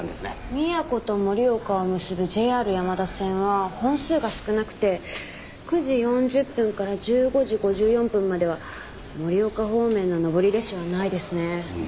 宮古と盛岡を結ぶＪＲ山田線は本数が少なくて９時４０分から１５時５４分までは盛岡方面の上り列車はないですね。